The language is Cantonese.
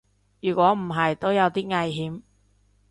如果唔係都有啲危險